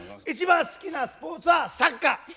一番好きなスポーツはサッカー。